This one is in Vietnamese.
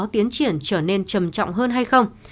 tiến triển trở nên trầm trọng hơn hay không